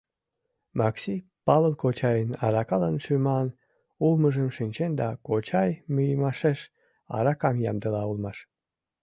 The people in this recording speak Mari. Максий Павыл кочайын аракалан шӱман улмыжым шинчен да кочай мийымашеш аракам ямдыла улмаш.